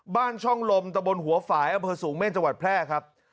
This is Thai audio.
บ้านช่องลมตะบนหัวฝ่ายอำเภอสูงเม่นจังหวัดแพร่ครับ